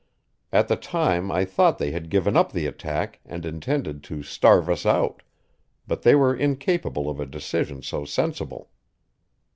At the time I thought they had given up the attack and intended to starve us out, but they were incapable of a decision so sensible.